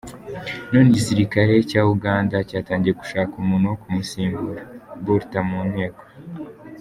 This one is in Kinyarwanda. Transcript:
None igisirikare cya Uganda cyatangiye gushaka umuntu wo kumusim, burta mu Nteko.